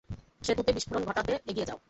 সেতুতে বিস্ফোরণ ঘটাতে এগিয়ে যাও।